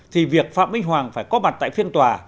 thì việc phạm minh hoàng phải có mặt tại phiên tòa